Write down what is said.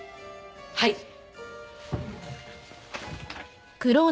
はい。